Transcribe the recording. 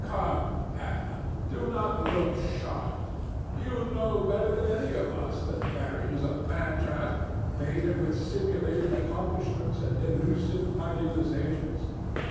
Come, Ana! do not look shocked: you know better than any of us that marriage is a mantrap baited with simulated accomplishments and delusive idealizations.